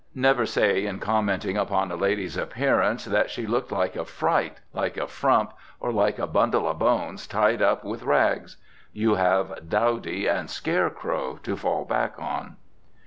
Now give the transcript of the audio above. Never say, in commenting upon a lady's appearance, that she looked like a "fright," like a "frump," or like "a bundle of bones tied up with rags." You have "dowdy" and "scarecrow" to fall back on.